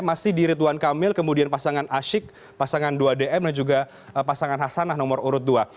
masih di ridwan kamil kemudian pasangan asyik pasangan dua dm dan juga pasangan hasanah nomor urut dua